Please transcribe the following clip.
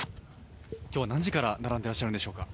今日は何時から並んでらっしゃるんでしょうか。